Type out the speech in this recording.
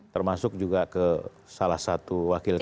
termasuk juga ke salah satu wakil ketua